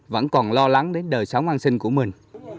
vẫn còn lo lắng đến đời sống an sinh của mình